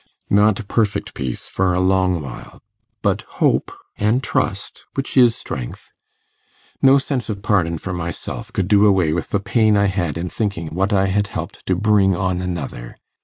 'Not perfect peace for a long while, but hope and trust, which is strength. No sense of pardon for myself could do away with the pain I had in thinking what I had helped to bring on another.